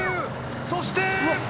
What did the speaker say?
そして！